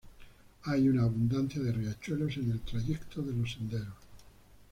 Hay una abundancia de riachuelos en el trayecto de los senderos.